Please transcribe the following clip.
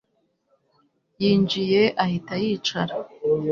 Yinjiye ahita yicara